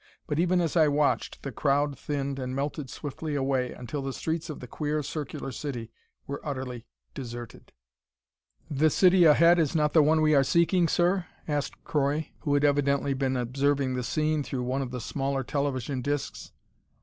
But even as I watched, the crowd thinned and melted swiftly away, until the streets of the queer, circular city were utterly deserted. "The city ahead is not the one we are seeking, sir?" asked Croy, who had evidently been observing the scene through one of the smaller television discs.